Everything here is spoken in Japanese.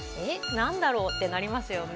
なんだろう？ってなりますよね。